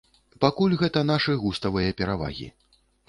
Пакуль гэта нашы густавыя перавагі.